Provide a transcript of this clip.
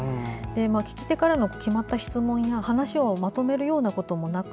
聞き手からの決まった質問や話をまとめるようなこともなく